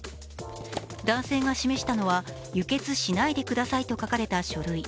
男性が示したのは、輸血しないでくださいと書かれた書類。